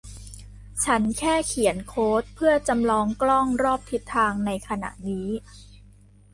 ฉันแค่เขียนโค้ดเพื่อจำลองกล้องรอบทิศทางในขณะนี้